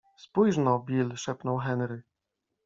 - Spójrz no, Bill - szepnął Henry.